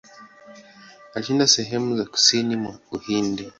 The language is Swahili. Alishinda sehemu za kusini mwa Uhindi.